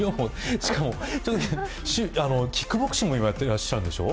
しかも今、キックボクシングもやってらっしゃるんでしょう？